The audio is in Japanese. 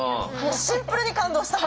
シンプルに感動した。